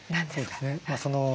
そうですね